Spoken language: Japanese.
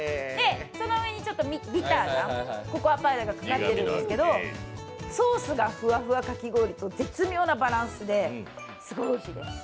その上に、ちょっとビターなココアパウダーがかかっているんですけど、ソースがふわふわかき氷と絶妙なバランスですごいおいしいです。